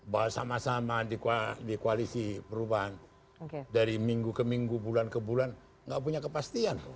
bahwa sama sama di koalisi perubahan dari minggu ke minggu bulan ke bulan nggak punya kepastian